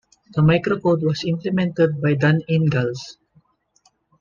The microcode was implemented by Dan Ingalls.